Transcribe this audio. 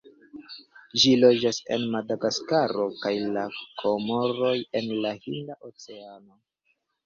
Ĝi loĝas en Madagaskaro kaj la Komoroj en la Hinda Oceano.